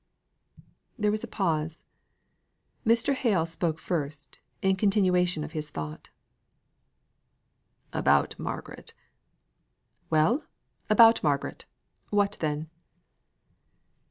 There was a pause. Mr. Hale spoke first, in continuation of his thought: "About Margaret." "Well! about Margaret. What then?"